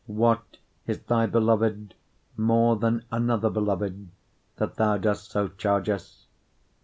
what is thy beloved more than another beloved, that thou dost so charge us?